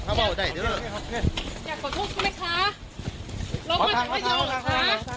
ถ้าบ่าวได้เดี๋ยวเริ่มอยากขอโทษเขาไม่ค่ะลองมาส่งให้เราเขา